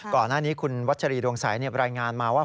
ก่อนหน้านี้คุณวัชรีดวงใสรายงานมาว่า